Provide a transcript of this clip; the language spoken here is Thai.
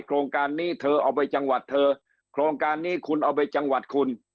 โครงการนี้เธอเอาไปจังหวัดเธอโครงการนี้คุณเอาไปจังหวัดคุณ